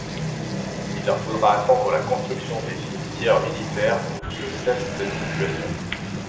Il leur faudra attendre la construction de cimetières militaires pour que cesse cette situation.